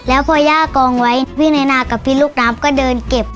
แล้วพอย่ากองไว้พี่นายนากับพี่ลูกน้ำก็เดินเก็บ